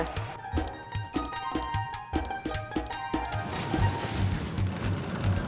purtis tadi ada siapa ya